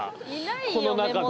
この中で。